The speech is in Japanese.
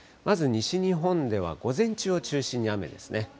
まず西日本では午前中を中心に雨ですね。